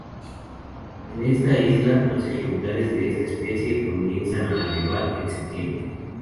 En esta isla los ejemplares de esta especie comienzan a arribar en septiembre.